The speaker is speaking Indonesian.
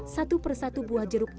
satu persatu buah jeruk ia pencuri